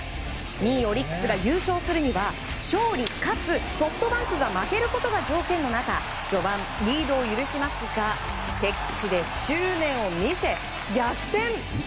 ２位オリックスが優勝するには勝利かつソフトバンクが負けることが条件の中序盤、リードを許しますが敵地で執念を見せ、逆転！